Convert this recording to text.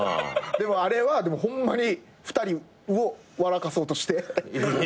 でもあれはホンマに２人を笑かそうとして。